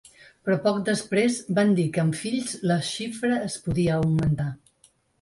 Però poc després van dir que amb fills la xifra es podia augmentar.